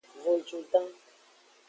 Vojudan.